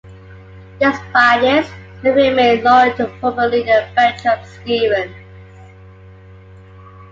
Despite this, Mair remained loyal to former leader Bertram Stevens.